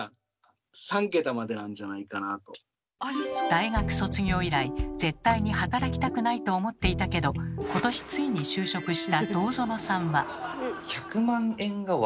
大学卒業以来「絶対に働きたくない」と思っていたけど今年ついに就職した堂園さんは。